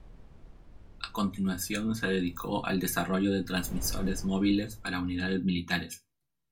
A continuación se dedicó al desarrollo de transmisores móviles para unidades militares.